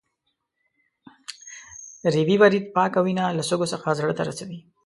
ریوي ورید پاکه وینه له سږو څخه زړه ته رسوي.